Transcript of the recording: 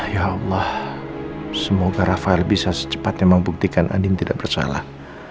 ya allah semoga rafael bisa secepatnya membuktikan andin tidak bersalah